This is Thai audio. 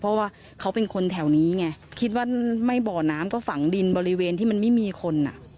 เพราะว่าเขาเป็นคนแถวนี้ไงคิดว่าไม่บ่อน้ำก็ฝังดินบริเวณที่มันไม่มีคนอ่ะ